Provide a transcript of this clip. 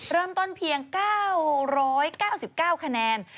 เริ่มต้นเพียง๙๙๙คะแนน